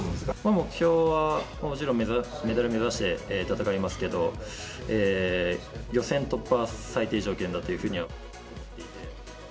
目標は、もちろんメダル目指して戦いますけど、予選突破を最低条件だというふうには思っていて。